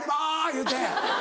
言うて。